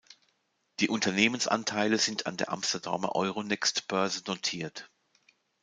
Die Unternehmensanteile sind an der Amsterdamer Euronext-Börse notiert.